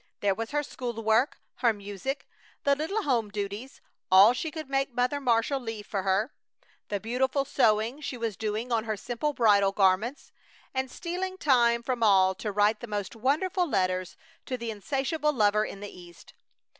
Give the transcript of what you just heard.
There was her school work, her music, the little home duties, all she could make Mother Marshall leave for her; the beautiful sewing she was doing on her simple bridal garments; and stealing time from all to write the most wonderful letters to the insatiable lover in the East.